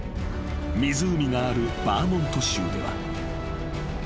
湖があるバーモント州では］